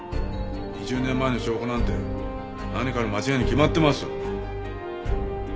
２０年前の証拠なんて何かの間違いに決まってます。